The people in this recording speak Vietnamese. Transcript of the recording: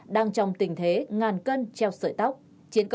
đang trong tình thế ngàn cân treo sợi tóc